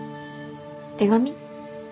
手紙？